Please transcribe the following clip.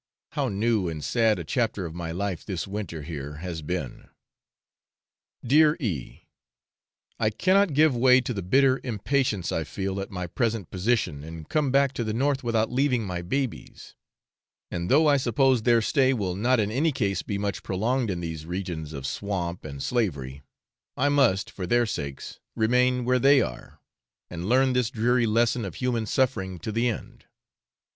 How new and sad a chapter of my life this winter here has been! Dear E . I cannot give way to the bitter impatience I feel at my present position, and come back to the north without leaving my babies; and though I suppose their stay will not in any case be much prolonged in these regions of swamp and slavery, I must, for their sakes, remain where they are, and learn this dreary lesson of human suffering to the end.